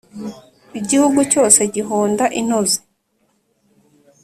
igihugu cyose gihonda intozi